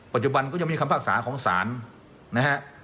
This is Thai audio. ปัจจุบันก็ยังมีคำภาษาของศาลนะฮะ